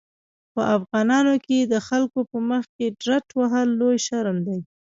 په افغانانو کې د خلکو په مخکې ډرت وهل لوی شرم دی.